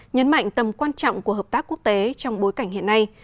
nhấn mạnh tầm quan trọng của hợp tác quốc tế trong bối cảnh hiện nay